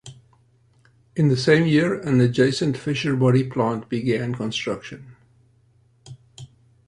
In the same year, an adjacent Fisher Body plant began construction.